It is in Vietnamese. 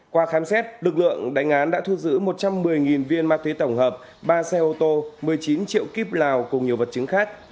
qua khám xét lực lượng đánh án đã thu giữ một trăm một mươi viên ma túy tổng hợp ba xe ô tô một mươi chín triệu kíp lào cùng nhiều vật chứng khác